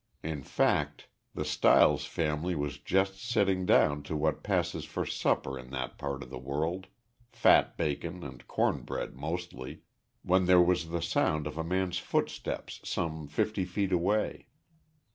In fact, the Stiles family was just sitting down to what passes for supper in that part of the world fat bacon and corn bread, mostly when there was the sound of a man's footstep some fifty feet away.